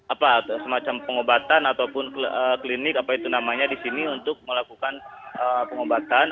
apa semacam pengobatan ataupun klinik apa itu namanya di sini untuk melakukan pengobatan